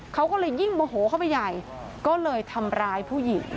เขาก็เลยยิ่งโมโหเข้าไปใหญ่ก็เลยทำร้ายผู้หญิง